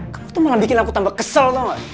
kamu tuh malah bikin aku tambah kesel